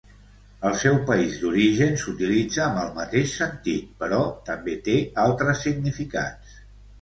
Al seu país d'origen s'utilitza amb el mateix sentit, però també té altres significats.